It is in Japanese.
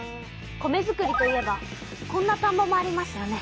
米づくりといえばこんなたんぼもありますよね。